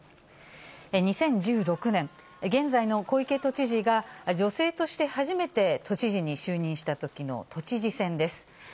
２０１６年、現在の小池都知事が女性として初めて都知事に就任したときの都知事選です。